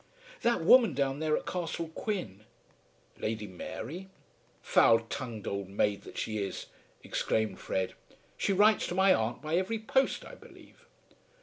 "That woman down there at Castle Quin." "Lady Mary?" "Foul tongued old maid that she is," exclaimed Fred. "She writes to my aunt by every post, I believe."